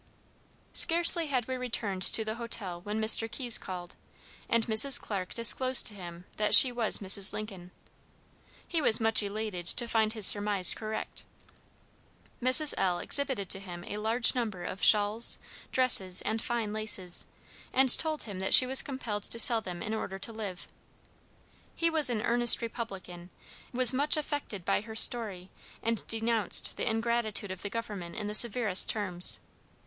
Scarcely had we returned to the hotel when Mr. Keyes called, and Mrs. Clarke disclosed to him that she was Mrs. Lincoln. He was much elated to find his surmise correct. Mrs. L. exhibited to him a large number of shawls, dresses, and fine laces, and told him that she was compelled to sell them in order to live. He was an earnest Republican, was much affected by her story, and denounced the ingratitude of the government in the severest terms.